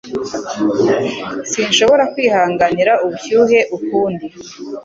Sinshobora kwihanganira ubushyuhe ukundi.